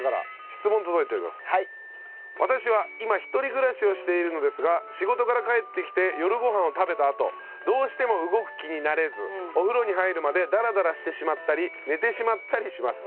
私は今一人暮らしをしているのですが仕事から帰ってきて夜ご飯を食べたあとどうしても動く気になれずお風呂に入るまでダラダラしてしまったり寝てしまったりします。